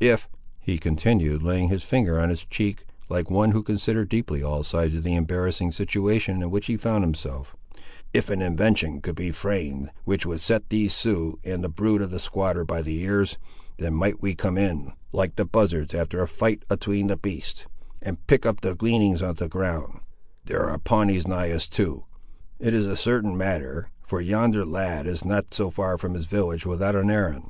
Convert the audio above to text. If," he continued, laying his finger on his cheek, like one who considered deeply all sides of the embarrassing situation in which he found himself,—"if an invention could be framed, which would set these Siouxes and the brood of the squatter by the ears, then might we come in, like the buzzards after a fight atween the beasts, and pick up the gleanings of the ground—there are Pawnees nigh us, too! It is a certain matter, for yonder lad is not so far from his village without an errand.